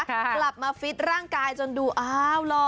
กลับมาฟิตร่างกายจนดูอ้าวหล่อ